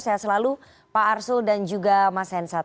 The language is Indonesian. sehat selalu pak arsul dan juga mas hensat